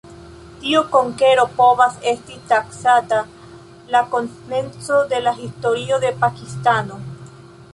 Tiu konkero povas esti taksata la komenco de la historio de Pakistano.